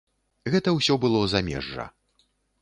Гэта ўсё было замежжа.